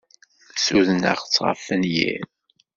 Ssudneɣ-tt ɣef wenyir.